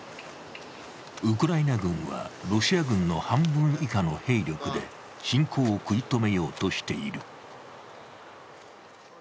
ウクライナ軍はロシア軍の半分以下の兵力で侵攻を食い止めようとしている。